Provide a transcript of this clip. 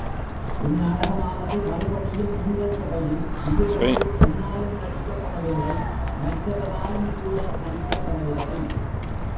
இந் நாடகமானது மறுபடியும் எங்கள் சபையில் இதுவரையில் என்னாலும் நடிக்கப்பட வில்லை மற்றெவராலும்கூட நடிக்கப்படவில்லை.